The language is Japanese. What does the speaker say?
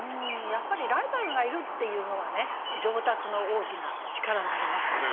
やっぱりライバルがいるっていうのはね上達の大きな力になりますからね。